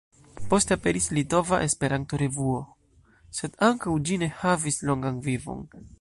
Poste aperis "Litova Esperanto-Revuo", sed ankaŭ ĝi ne havis longan vivon.